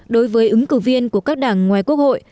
đối với ứng cử viên của các đảng ngoài quốc hội